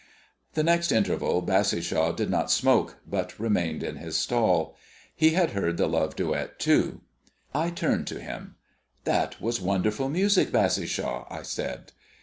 The next interval Bassishaw did not smoke, but remained in his stall. He had heard the love duet, too. I turned to him. "That was wonderful music, Bassishaw," I said.